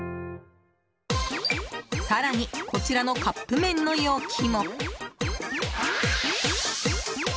更に、こちらのカップ麺の容器も。